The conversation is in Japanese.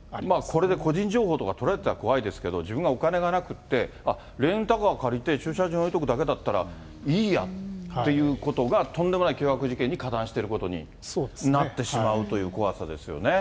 これで、個人情報とかをとられたら、怖いですけど、自分がお金がなくって、あっ、レンタカー借りて、駐車場に置いとくだけだったら、いいやっていうことが、とんでもない凶悪事件に加担してることになってしまうという怖さですよね。